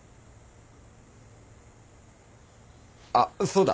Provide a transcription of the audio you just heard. あっそうだ。